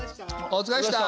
おつかれっした。